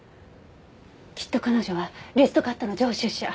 きっと彼女はリストカットの常習者。